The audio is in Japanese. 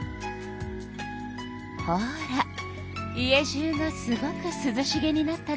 ほら家じゅうがすごくすずしげになったでしょ。